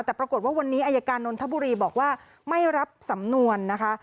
แต่ปรากฏว่าวันนี้อายการนนทบุรีบอกว่าไม่รับสำนวนนะคะ